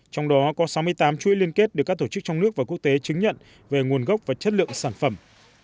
trong đó có sáu mươi tám chuỗi liên kết được các tổ chức trong nước và quốc tế chứng nhận về nguồn gốc và chất lượng sản phẩm